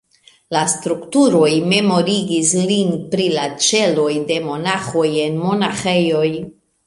La strukturoj memorigis lin pri la ĉeloj de monaĥoj en monaĥejoj.